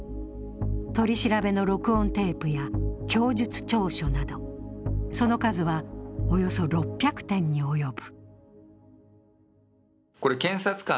取り調べの録音テープや供述調書など、その数はおよそ６００点に及ぶ。